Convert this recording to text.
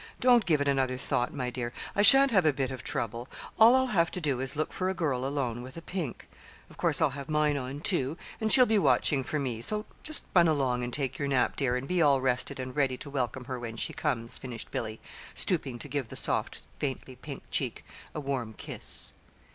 "Don't give it another thought, my dear. I sha'n't have a bit of trouble. All I'll have to do is to look for a girl alone with a pink. Of course I'll have mine on, too, and she'll be watching for me. So just run along and take your nap, dear, and be all rested and ready to welcome her when she comes," finished Billy, stooping to give the soft, faintly pink cheek a warm kiss.